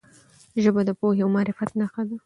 ژبه د پوهې او معرفت نښه ده.